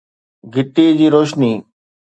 گهٽي جي روشني